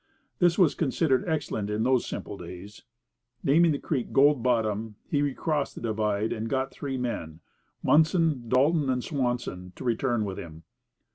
This was considered excellent in those simple days. Naming the creek "Gold Bottom," he recrossed the divide and got three men, Munson, Dalton, and Swanson, to return with him.